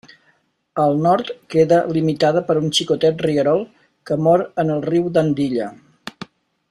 Al nord queda limitada per un xicotet rierol que mor en el riu d'Andilla.